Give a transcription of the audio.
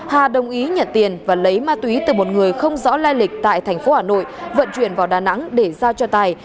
hà đồng ý nhận tiền và lấy ma túy từ một người không rõ lai lịch tại tp hà nội vận chuyển vào đà nẵng để giao cho tài